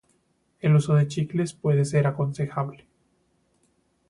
El uso de chicles puede ser aconsejable.